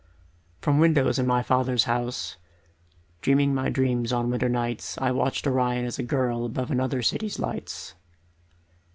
From windows in my father's house, Dreaming my dreams on winter nights, I watched Orion as a girl Above another city's lights.